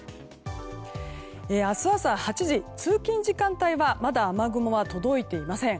明日朝８時、通勤時間帯はまだ雨雲は届いていません。